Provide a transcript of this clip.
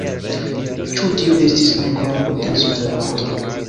Ĉu tio estis ankoraŭ potenco de la honto?